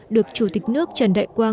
được chủ tịch nước trần đại quốc